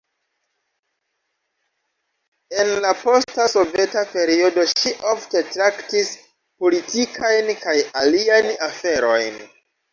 En la posta soveta periodo ŝi ofte traktis politikajn kaj aliajn aferojn.